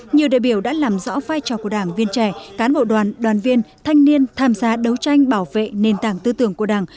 nhiều đại biểu đã làm rõ vai trò của đảng viên trẻ cán bộ đoàn đoàn viên thanh niên tham gia đấu tranh bảo vệ nền tảng tư tưởng của đảng